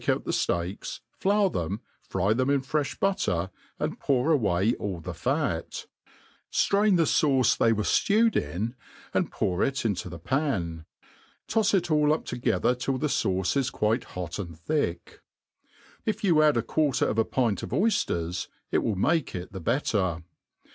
ut the fteaks, £our them, fry them in txttti butter, and pour away all the far, firain the fauce th6y were ftewed in, and pour into the pan ; tofs it all up to gether till the fauce is quite hot and thick. If you add a quarter of a pint of oyfters, it will make it the better.